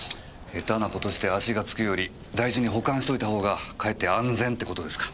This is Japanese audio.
ヘタな事して足がつくより大事に保管しといたほうがかえって安全って事ですか。